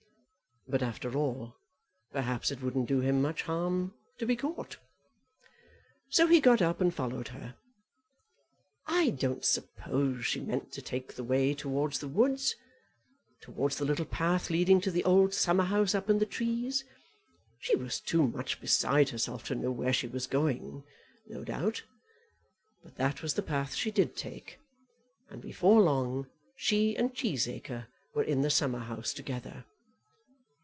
But after all, perhaps it wouldn't do him much harm to be caught. So he got up and followed her. I don't suppose she meant to take the way towards the woods, towards the little path leading to the old summer house up in the trees. She was too much beside herself to know where she was going, no doubt. But that was the path she did take, and before long she and Cheesacre were in the summerhouse together.